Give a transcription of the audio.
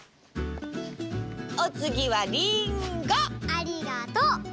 ありがとう！